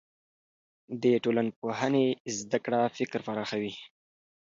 د ټولنپوهنې زده کړه فکر پراخوي.